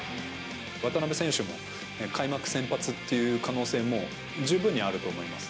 渡邊選手も、開幕先発っていう可能性も十分にあると思います。